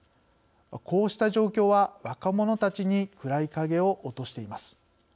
こうした状況は、若者たちに暗い影を落としています。